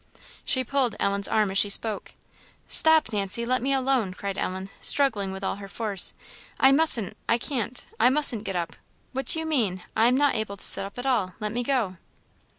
She pulled Ellen's arm as she spoke. "Stop, Nancy let me alone!" cried Ellen, struggling with all her force "I musn't I can't! I musn't get up! What do you mean? I'm not able to sit up at all; let me go!"